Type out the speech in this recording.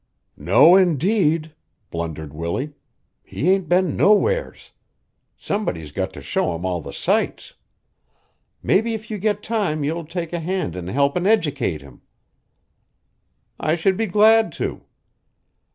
"No, indeed!" blundered Willie. "He ain't been nowheres. Somebody's got to show him all the sights. Mebbe if you get time you'll take a hand in helpin' educate him." "I should be glad to!"